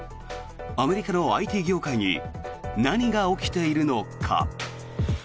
アメリカのＩＴ業界に何が起きているのか。